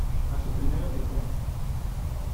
a su primer oficial.